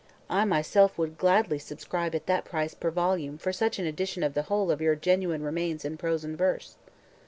I myself would gladly subscribe at that price per volume for such an edition of the whole of your genuine remains in prose and verse.